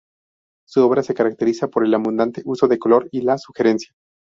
Su obra se caracteriza por el abundante uso del color y la sugerencia.